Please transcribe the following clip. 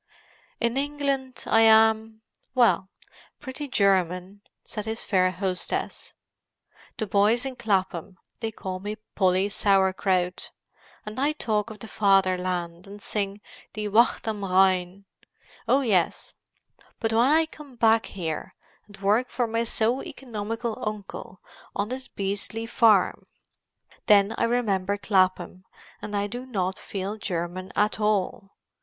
"In England I am—well, pretty German," said his fair hostess. "The boys in Clapham, they call me Polly Sauer Kraut. And I talk of the Fatherland, and sing 'Die Wacht am Rhein.' Oh yes. But when I come back here and work for my so economical uncle on this beastly farm, then I remember Clapham and I do not feel German at all.